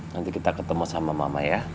nanti kita ketemu sama mama ya